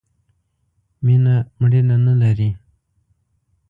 مینه مړینه نه لرئ